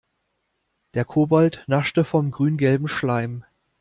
Der Kobold naschte vom grüngelben Schleim.